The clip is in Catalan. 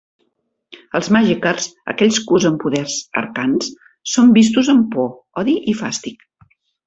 Els Magickers, aquells que usen poders arcans, són vistos amb por, odi i fàstic.